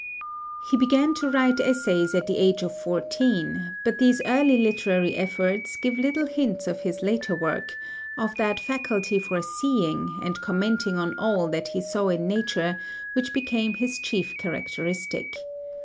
[Illustration: JOHN BURROUGHS] He began to write essays at the age of fourteen, but these early literary efforts give little hint of his later work, of that faculty for seeing, and commenting on all that he saw in nature, which became his chief characteristic.